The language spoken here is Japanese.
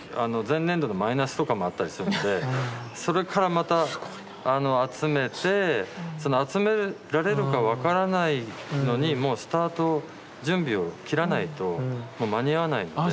前年度のマイナスとかもあったりするのでそれからまた集めて集められるか分からないのにもうスタート準備を切らないともう間に合わないので。